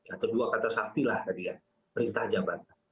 atau dua kata sakti lah tadi ya perintah jabatan